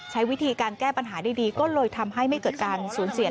ใช้วิธีการแก้ปัญหาดีก็เลยทำให้ไม่เกิดการสูญเสีย